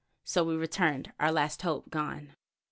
So we returned, our last hope gone.